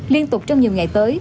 liên tục trong nhiều ngày tới